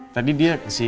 tadi dia di sini